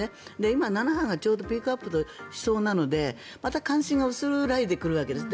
今、７波がちょうどピークアウトしそうなのでまた関心が薄らいでくるんです。